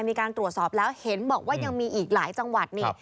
มีการตรวจสอบแล้วเห็นบอกว่ายังมีอีกหลายจังหวัดนี่